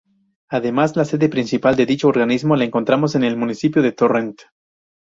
Además, la sede principal de dicho organismo la encontramos en el municipio de Torrent.